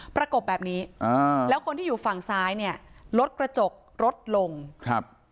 ประกบแบบนี้อ่าแล้วคนที่อยู่ฝั่งซ้ายเนี่ยรถกระจกรถลงครับ